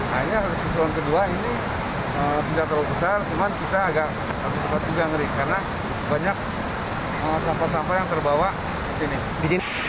nah ini kebetulan kedua ini tidak terlalu besar cuman kita agak cepat juga ngeri karena banyak sampah sampah yang terbawa ke sini